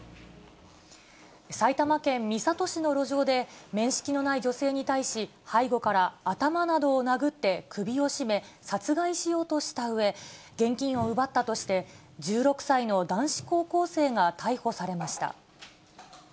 埼玉県三郷市の路上で、面識のない女性に対し、背後から頭などを殴って首を絞め、殺害しようとしたうえ、現金を奪ったとして、１６歳の男子高校生が逮捕されました。